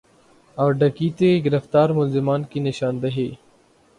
اور ڈکیتی کے گرفتار ملزمان کی نشاندہی